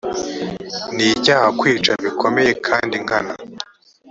ni icyaha kwica bikomeye kandi nkana